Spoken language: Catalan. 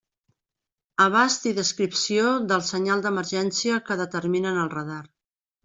Abast i descripció del senyal d'emergència que determina en el radar.